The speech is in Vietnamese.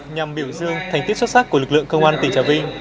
nhằm biểu dương thành tích xuất sắc của lực lượng công an tỉnh trà vinh